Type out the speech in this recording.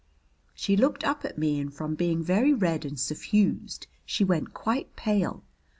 She looked up at me, and from being very red and suffused she went quite pale.